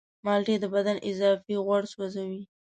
مالټې د بدن اضافي غوړ سوځوي.